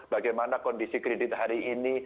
bagaimana kondisi kredit hari ini